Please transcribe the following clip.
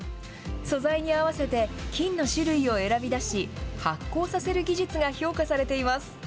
素材に合わせて菌の種類を選び出し、発酵させる技術が評価されています。